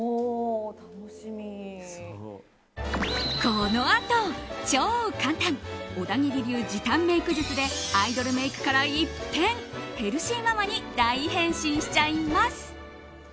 このあと、超簡単小田切流時短メイク術でアイドルメイクから一変ヘルシーママに大変身しちゃいます。